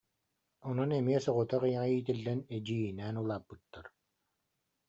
Онон эмиэ соҕотох ийэҕэ иитиллэн эдьиийинээн улааппыттар